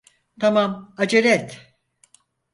Tamam, acele et.